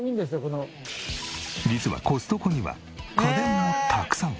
実はコストコには家電もたくさん！